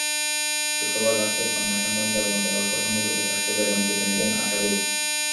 শুক্রবার রাতে কন্যাসন্তান জন্ম দেওয়ার প্রসঙ্গ তুলে তাঁকে বেদম পিটুনি দেন আশাদুল।